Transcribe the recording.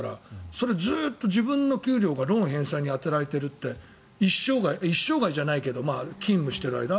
それずっと自分の給料からローン返済に充てられてるって一生涯じゃないけど勤務している間